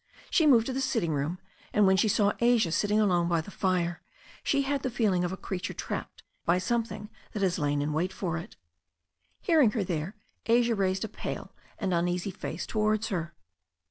She moved to the sitting room door, and when she saw Asia sitting alone by the fire she had the feeling of a creature trapped by something that has lain in wait for it. Hearing her there, Asia raised a pale and uneasy face towards her.